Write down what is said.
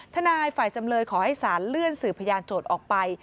ทนายฝ่ายจำเลยขอให้สารเลื่อนสื่อพยานโจทย์ออกไป